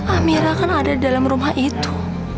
amira kan ada di dalam rumah itu